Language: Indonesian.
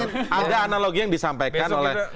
tapi ada analogi yang disampaikan oleh